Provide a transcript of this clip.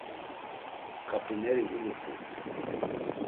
K̆ap̌ineri ulut̆u.